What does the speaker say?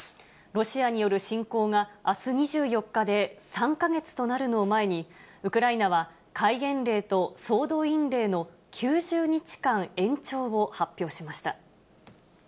ロシアによる侵攻があす２４日で３か月となるのを前に、ウクライナは戒厳令と総動員令の９０日間延長を発表しました。